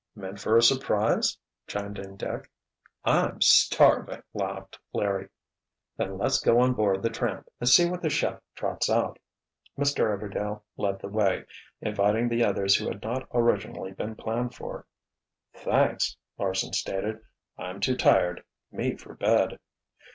"Meant for a surprise?" chimed in Dick. "I'm starving," laughed Larry. "Then let's go on board the Tramp and see what the chef trots out." Mr. Everdail led the way, inviting the others who had not originally been planned for. "Thanks," Larsen stated, "I'm too tired. Me for bed."